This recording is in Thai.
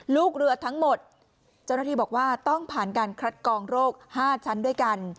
ลูกเรือทั้งหมดเจ้าหน้าที่บอกว่าต้องผ่านการคัดกองโรค๕ชั้นด้วยกัน